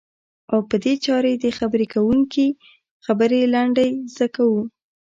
او په دې چارې د خبرې کوونکي خبرې لنډی ز کوو.